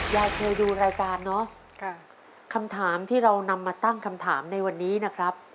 ยายเคยดูรายการเนอะค่ะคำถามที่เรานำมาตั้งคำถามในวันนี้นะครับ